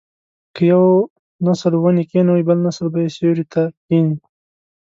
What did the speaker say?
که یو نسل ونې کینوي بل نسل به یې سیوري ته کیني.